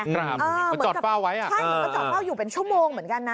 เหมือนจอดเป้าไว้ใช่จอดเป้าอยู่เป็นชั่วโมงเหมือนกันนะ